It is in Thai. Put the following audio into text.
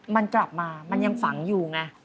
มันกลับมามันยังฝังอยู่ไง